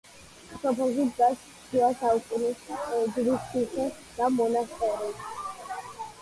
სოფელში დგას შუა საუკუნეების „ჯვრის ციხე“ და მონასტერი.